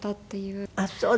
あっそう。